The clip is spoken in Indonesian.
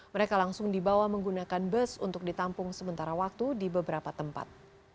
mereka langsung dibawa menggunakan bus untuk ditampung sementara waktu di beberapa tempat